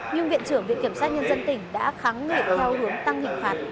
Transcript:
nhưng viện trưởng viện kiểm soát nhân dân tỉnh đã kháng nghệ theo hướng tăng hình phạt